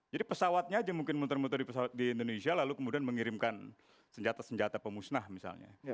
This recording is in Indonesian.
jadi pesawatnya aja mungkin muter muter di indonesia lalu kemudian mengirimkan senjata senjata pemusnah misalnya